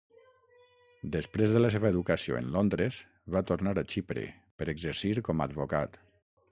Després de la seva educació en Londres, va tornar Xipre per exercir com a advocat.